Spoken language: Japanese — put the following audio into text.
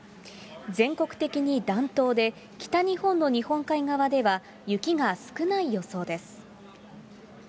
全国的に暖冬で、北日本の日本海側では雪が少ない予想です。